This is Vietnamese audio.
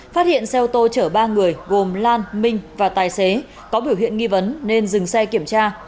phát hiện xe ô tô chở ba người gồm lan minh và tài xế có biểu hiện nghi vấn nên dừng xe kiểm tra